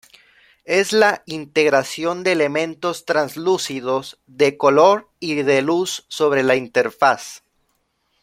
Es la integración de elementos translúcidos, de color y de luz sobre la interfaz.